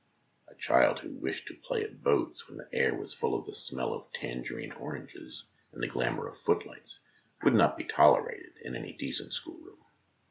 A child who wished to play at boats, when the air was full of the smell of tangerine oranges and the glamour of the footlights, would not be tolerated in any decent schoolroom.